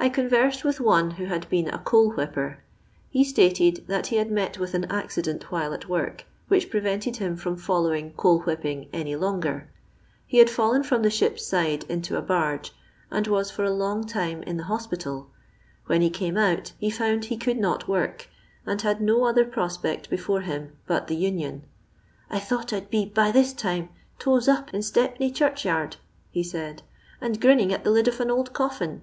I conversed with one who had been a coal whipper. He stated that he had met with an accident while at work which prevented him from following coal whipping any longer. He had fallen from the ship's side into a barffe, and was for a long time in the nospital. When ne came out he found he could not work, and had no other prospect before him but the union. I thought I 'd be by this time toes up in Stepney churchyard," he said, "and grinning at the lid of an old coffin."